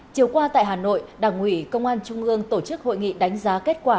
chiều qua tại hà nội đảng ủy công an trung ương tổ chức hội nghị đánh giá kết quả